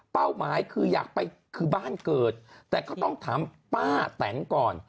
หมายคืออยากไปคือบ้านเกิดแต่ก็ต้องถามป้าแตนก่อน